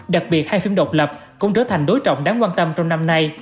đặc biệt hai phim độc lập cũng trở thành đối trọng đáng quan tâm trong năm nay